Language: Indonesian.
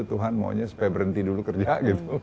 tuhan maunya supaya berhenti dulu kerja gitu